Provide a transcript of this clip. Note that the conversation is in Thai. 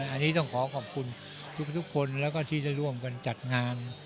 อันนี้ต้องขอขอบคุณทุกคนแล้วก็ที่ได้ร่วมกันจัดงาน